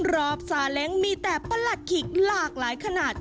รอบซาเล้งมีแต่ปลัตรขิกหลากหลายขนาด